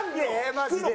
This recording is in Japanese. マジで。